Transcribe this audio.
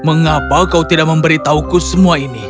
mengapa kau tidak memberitahuku semua ini